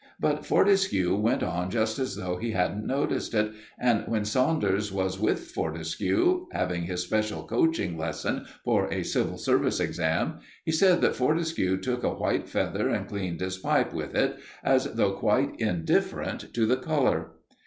But Fortescue went on just as though he hadn't noticed it, and when Saunders was with Fortescue, having his special coaching lesson for a Civil Service exam., he said that Fortescue took a white feather and cleaned his pipe with it as though quite indifferent to the colour.